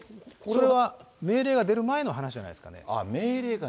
それは、命令が出る前の話じゃないですかね。